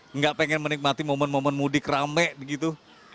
enggak pengen menikmati momen momen mudik rame begitu